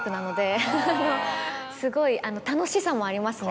すごい楽しさもありますね